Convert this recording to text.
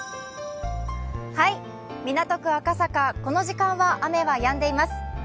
港区赤坂、この時間は雨はやんでいます。